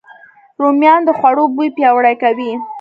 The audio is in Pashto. رومیان د خوړو بوی پیاوړی کوي